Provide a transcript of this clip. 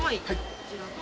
こちらと。